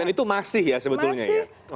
dan itu masih ya sebetulnya ya